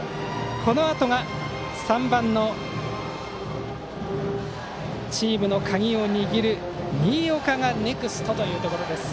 このあと３番チームの鍵を握る新岡がネクストというところです。